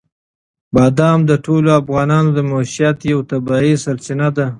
بادام د ټولو افغانانو د معیشت یوه طبیعي سرچینه ده.